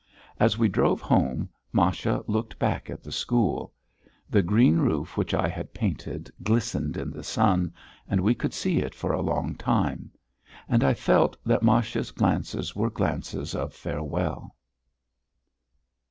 As we drove home Masha looked back at the school. The green roof which I had painted glistened in the sun, and we could see it for a long time. And I felt that Masha's glances were glances of farewell.